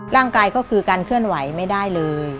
ร่างกายก็คือการเคลื่อนไหวไม่ได้เลย